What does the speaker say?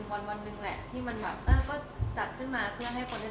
คนก็เริ่มแบบเฮ้ยทำไมจะแต่งงานแล้วทำไมตัดผมสั้น